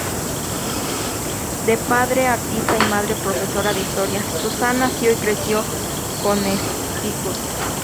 De padre artista y madre profesora de historia, Susan nació y creció en Connecticut.